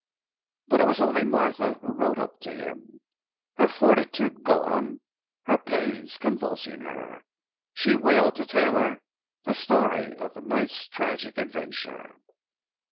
But it was only Martha who rode up to him. Her fortitude gone, her pains convulsing her, she wailed to Taylor the story of the night's tragic adventure.